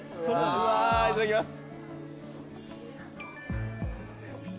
うわいただきます。